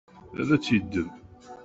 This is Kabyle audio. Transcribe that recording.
Ad t-yeddem?